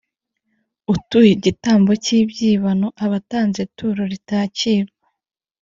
Utuye igitambo cy’ibyibano aba atanze ituro ritakirwa,